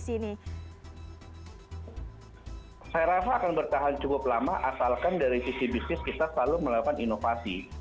saya rasa akan bertahan cukup lama asalkan dari sisi bisnis kita selalu melakukan inovasi